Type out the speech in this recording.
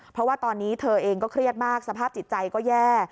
เพราะว่าตอนนี้เธอเองก็เครียดมากสภาพจิตใจก็แย่